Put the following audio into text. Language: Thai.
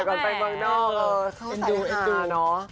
ใช่บ้างเนาะเข้าใส่ในหาเนาะ